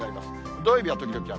土曜日は時々雨。